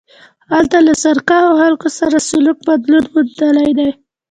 هلته له سرکښو خلکو سره سلوک بدلون موندلی دی.